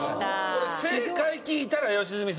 これ正解聞いたら良純さん。